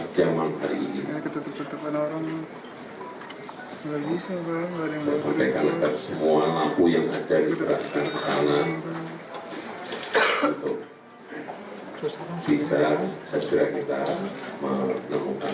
dua puluh empat jam hari ini saya sampaikan agar semua naku yang ada di beras dan kekangan bisa segera kita menemukan